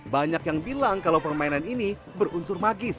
banyak yang bilang kalau permainan ini berunsur magis